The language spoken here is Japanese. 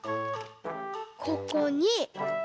ここに。